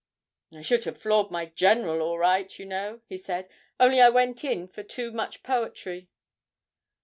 'I should have floored my "General" all right, you know,' he said, 'only I went in for too much poetry.'